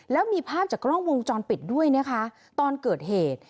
แล้วมีภาพจากกล้องวงจรปิดด้วยนะคะตอนเกิดเหตุ